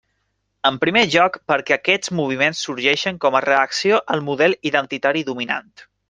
En primer lloc, perquè aquests moviments sorgeixen com a reacció al model identitari dominant.